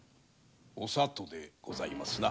おさとでございますな。